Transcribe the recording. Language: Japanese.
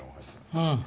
うん！